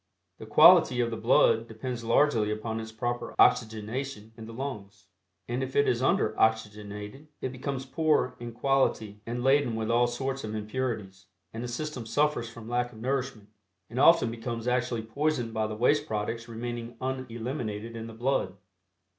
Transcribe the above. The quality of the blood depends largely upon its proper oxygenation in the lungs, and if it is under oxygenated it becomes poor in quality and laden with all sorts of impurities, and the system suffers from lack of nourishment, and often becomes actually poisoned by the waste products remaining uneliminated in the blood.